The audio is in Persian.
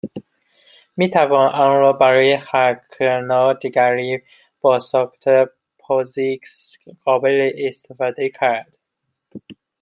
میتوان آن را برای هر کرنل دیگری با ساختار پازیکس قابل استفاده کرد.